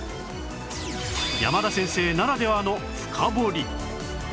山田先生ならではの深掘り